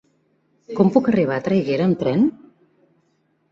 Com puc arribar a Traiguera amb tren?